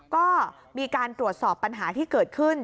ก็มีการตรวจสอบปัญหาที่เกิดขึ้น